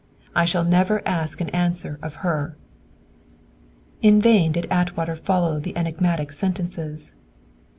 I shall never ask an answer of her!" In vain did Atwater follow the enigmatic sentences.